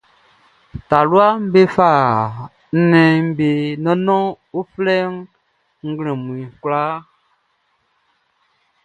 Taluaʼm be fa nnɛnʼm be nɔnnɔn uflɛuflɛʼn be ba nglɛmun kwlaa.